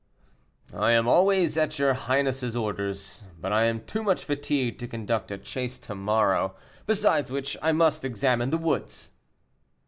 "I am always at your highness's orders, but I am too much fatigued to conduct a chase to morrow; besides which, I must examine the woods."